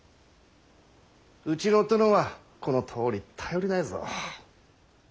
うちの殿はこのとおり頼りないぞ。